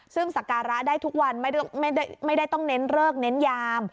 ซึ่งสักการะได้ทุกวันไม่ได้ต้องเน้นเลิกเน้นยาม